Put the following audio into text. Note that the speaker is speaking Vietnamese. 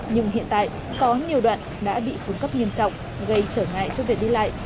nhưng hiện tại có nhiều đoạn đã bị xuống cấp nghiêm trọng gây trở ngại cho việc đi lại